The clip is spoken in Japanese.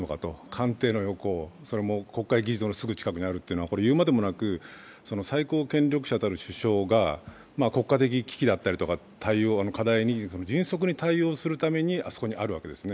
官邸の横、それも国会議事堂のすぐそばにあるというのは言うまでもなく、最高権力者たる首相が国家的危機だったり対応の課題に迅速に対応するために、あそこにあるわけですね。